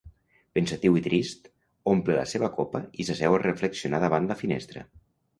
Pensatiu i trist, omple la seva copa i s’asseu a reflexionar davant la finestra.